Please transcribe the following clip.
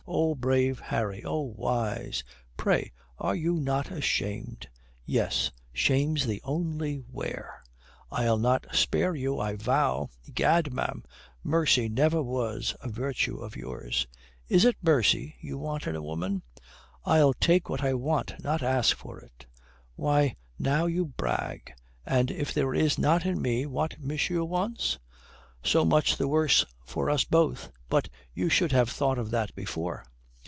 Oh, brave Harry! Oh, wise! Pray, are you not ashamed?" "Yes, shame's the only wear." "I'll not spare you, I vow." "Egad, ma'am, mercy never was a virtue of yours." "Is it mercy you want in a woman?" "I'll take what I want, not ask for it." "Why, now you brag! And if there is not in me what monsieur wants?" "So much the worse for us both. But you should have thought of that before."